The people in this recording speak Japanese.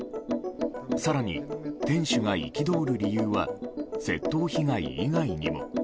更に、店主が憤る理由は窃盗被害以外にも。